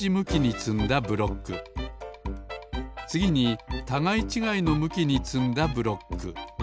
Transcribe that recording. つぎにたがいちがいのむきにつんだブロック。